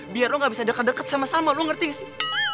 biar lo gak bisa deket deket sama salma lo ngerti gak sih